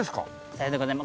さようでございます。